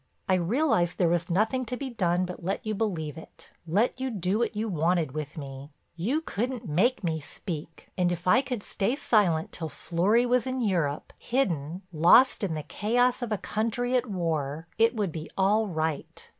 I realized there was nothing to be done but let you believe it, let you do what you wanted with me. You couldn't make me speak, and if I could stay silent till Florry was in Europe, hidden, lost in the chaos of a country at war, it would be all right."